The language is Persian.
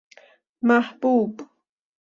محبوب